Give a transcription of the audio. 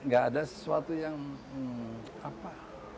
gak ada sesuatu yang apa